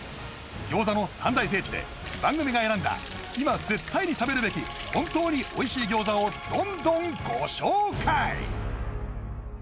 餃子の三大聖地で番組が選んだ今絶対に食べるべき本当においしい餃子をどんどんご紹介